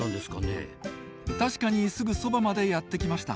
確かにすぐそばまでやって来ました。